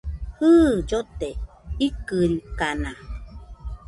Jɨ, llote ikɨrikana